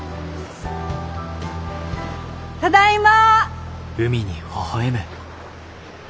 ただいま！